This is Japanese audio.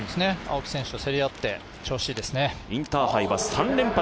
青木選手と競り合って調子いいですね。